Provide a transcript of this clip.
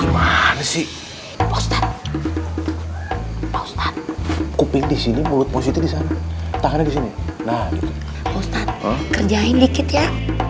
gimana sih ustadz ustadz kuping disini mulut musik bisa tahan disini nah kerjain dikit ya